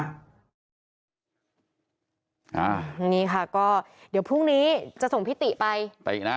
อ่าอย่างนี้ค่ะก็เดี๋ยวพรุ่งนี้จะส่งพี่ติไปไปอีกนะ